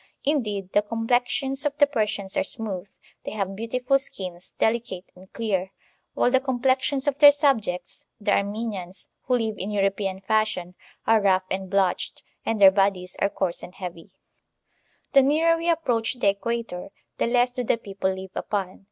In deed, the complexions of the Persians are smooth; they have beautiful skins, delicate and clear: while the com plexions of their subjects, the Armenians, who live in European fashion, are rough and blotched, and their bodies are coarse and heavy.* The nearer we approach the Equator, the less do the people live upon.